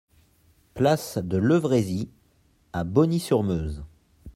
Place de Levrézy à Bogny-sur-Meuse